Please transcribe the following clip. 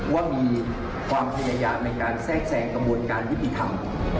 ว่ามีความภัยในการแทรกแทรกกับวนการวิถีธรรม